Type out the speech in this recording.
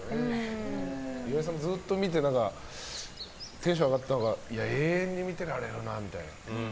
岩井さんずっとみってテンションが上がって永遠に見てられるなみたいな。